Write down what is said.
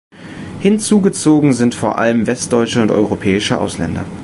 Hinzugezogen sind vor allem Westdeutsche und europäische Ausländer.